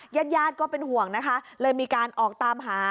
ญาติญาติก็เป็นห่วงนะคะเลยมีการออกตามหา